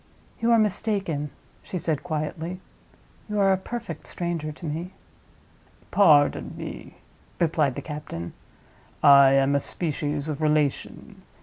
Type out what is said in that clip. "You are mistaken," she said, quietly. "You are a perfect stranger to me." "Pardon me," replied the captain; "I am a species of relation.